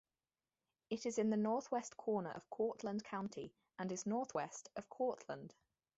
It is in the northwest corner of Cortland County and is northwest of Cortland.